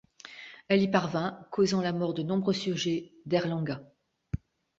Elle y parvient, causant la mort de nombreux sujets d'Airlangga.